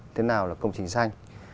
thế nào là công trình xanh